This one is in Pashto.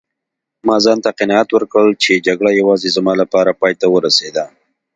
ما ځانته قناعت ورکړ چي جګړه یوازې زما لپاره پایته ورسیده.